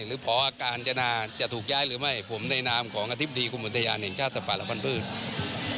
หรือพอการจนาจะถูกย้ายหรือไม่ผมในนามของอธิบดีกรมอุทยานแห่งชาติสัตว์ป่าและพันธุ์